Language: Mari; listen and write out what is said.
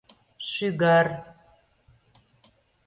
Шӱгар.